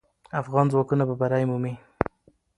افغان ځواکونه به بری مومي.